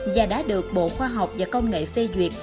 và đã được bộ khoa học và công nghệ phê duyệt